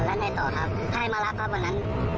แล้วไหนต่อครับใครมารับเค้าบนนั้น